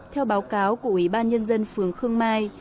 theo báo cáo của ủy ban nhân dân phường khương mai